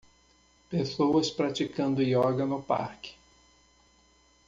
Pessoas praticando ioga no parque.